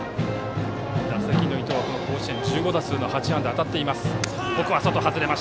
打席の伊藤、甲子園で１５打数８安打、当たっています。